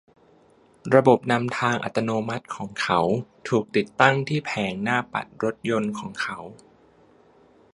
ระบบนำทางอัตโนมัติของเขา ถูกติดตั้งที่แผงหน้าปัดรถยนต์ของเขา